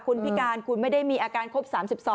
คุณพิการคุณไม่ได้มีอาการครบ๓๒